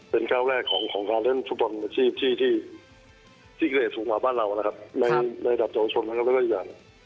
เป็นก้าวแรกของการเล่นฟุตบอลอาชีพที่เกรดสูงกว่าบ้านเรานะครับในระดับเยาวชนมันก็อีกอย่าง